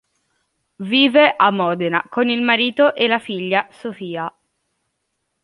Vive a Modena con il marito e la figlia Sofia.